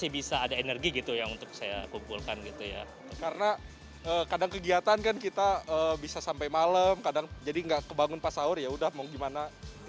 bisa sampai malam kadang jadi gak kebangun pas sahur yaudah mau gimana